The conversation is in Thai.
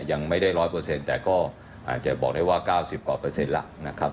ยังไม่ได้๑๐๐แต่ก็อาจจะบอกได้ว่า๙๐กว่าเปอร์เซ็นต์แล้วนะครับ